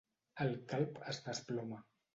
El calb es desploma.